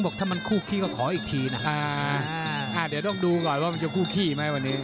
บอกถ้ามันคู่ขี้ก็ขออีกทีนะเดี๋ยวต้องดูก่อนว่ามันจะคู่ขี้ไหมวันนี้